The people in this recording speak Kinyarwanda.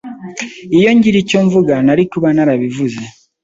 Iyo ngira icyo mvuga, nari kuba narabivuze.